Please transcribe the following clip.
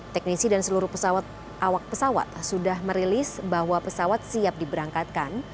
teknisi dan seluruh pesawat awak pesawat sudah merilis bahwa pesawat siap diberangkatkan